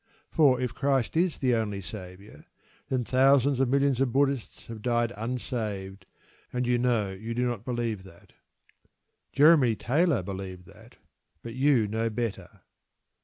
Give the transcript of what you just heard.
For if Christ is the only Saviour, then thousands of millions of Buddhists have died unsaved, and you know you do not believe that. Jeremy Taylor believed that; but you know better.